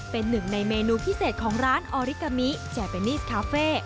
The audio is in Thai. เป็นหนึ่งในเมนูพิเศษของร้านออริกามิแจเปนิสคาเฟ่